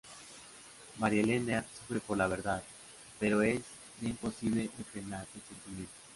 Marielena sufre por la verdad pero es ya imposible de frenar el sentimiento.